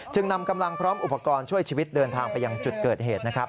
นำกำลังพร้อมอุปกรณ์ช่วยชีวิตเดินทางไปยังจุดเกิดเหตุนะครับ